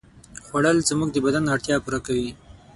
خوړل زموږ د بدن اړتیا پوره کوي